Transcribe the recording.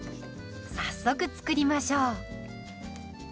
早速作りましょう。